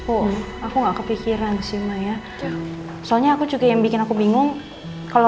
uh aku nggak kepikiran sih maya soalnya aku juga yang bikin aku bingung kalau